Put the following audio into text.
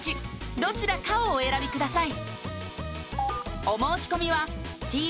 どちらかをお選びください